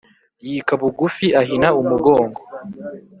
Yika bugufi ahina umugongo